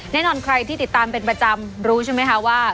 แน่นอนใครที่ติดตามเป็นประจำรู้ใช่ไหมคะว่า